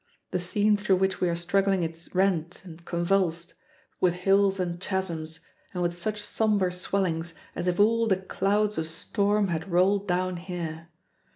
The scene through which we are struggling is rent and convulsed, with hills and chasms, and with such somber swellings as if all the clouds of storm had rolled down here.